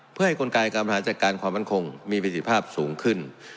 เพื่อให้กลไกการบริหารจัดการความมั่นคงมีประสิทธิภาพสูงขึ้น